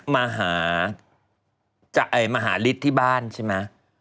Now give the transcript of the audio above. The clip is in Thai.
มาหาลิตรที่บ้านใช่ไหม